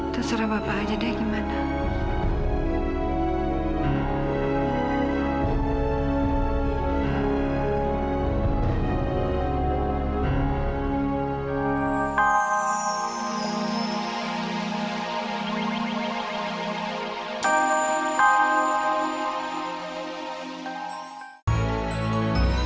terserah bapak aja deh gimana